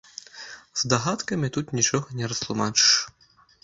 Здагадкамі тут нічога не растлумачыш.